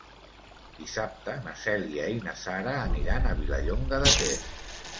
Dissabte na Cèlia i na Sara aniran a Vilallonga de Ter.